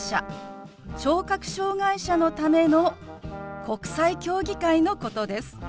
・聴覚障害者のための国際競技会のことです。